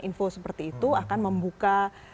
info seperti itu akan membuka